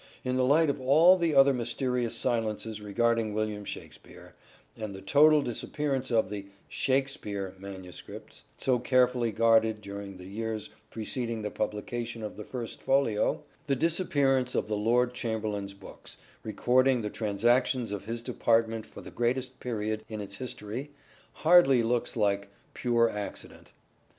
In the light of all the other mysterious silences regarding William Shakspere, and the total disappearance of the " Shakespeare " manuscripts, so carefully guarded during the years preceding the publication of the First Folio, the disappearance of the Lord Chamberlain's books, recording the transactions of his department for the greatest period in its history, hardly looks like pure 8o " SHAKESPEARE " IDENTIFIED accident.